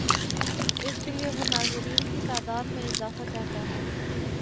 اس کے لیے وہ ناظرین کی تعداد میں اضافہ چاہتا ہے۔